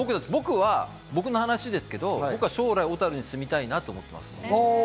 僕の話ですけど、僕は将来、小樽に住みたいなって思います。